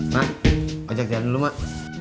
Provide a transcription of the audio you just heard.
mak ajak jalan dulu mak